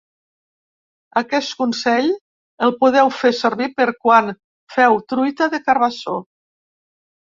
Aquest consell el podeu fer servir per quan feu truita de carabassó.